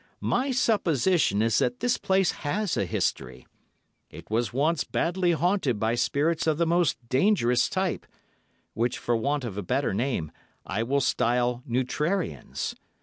My supposition is that this place has a history. It was once badly haunted by spirits of the most dangerous type, which, for want of a better name, I will style neutrarians.